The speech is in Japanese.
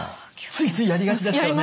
ついついやりがちですけどね。